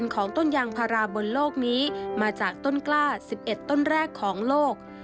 ของต้นยางพาราบนโลกนี้มาจากต้นกล้า๑๑ต้นแรกของโลก